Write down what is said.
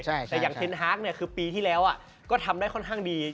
แต่อย่างเทนฮาร์กเนี่ยคือปีที่แล้วก็ทำได้ค่อนข้างดี